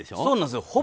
そうなんですよ